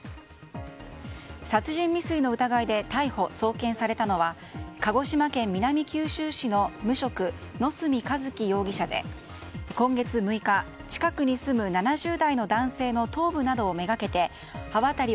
殺人未遂の疑いで逮捕・送検されたのは鹿児島県南九州市の無職・野角和起容疑者で今月６日近くに住む７０代の男性の頭部などをめがけて刃渡り